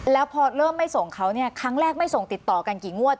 แล้วพอเริ่มไม่ส่งเขาเนี่ยครั้งแรกไม่ส่งติดต่อกันกี่งวด